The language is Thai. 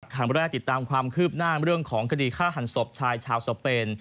คำแรกติดตามความคืบหน้าเรื่องของคดีฆ่าหันศพชายชาวสเปน